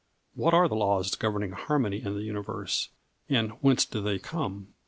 What are the laws governing harmony in the universe, and whence do they come?